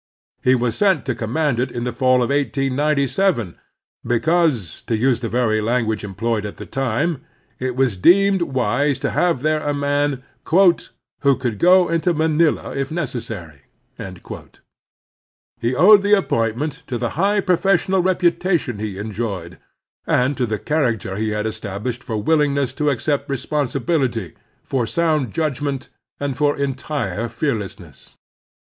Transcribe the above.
He was sent to command it in the falJ of 1897, because, to use the very lan guage employed at the time, it was deemed wise to have there a man *' who could go into Manila if necessary." He owed the appointment to the high professional reputation he enjoyed, and to the character he had established for willingness to accept responsibility, for sotmd judgment, and for entire fearlessness.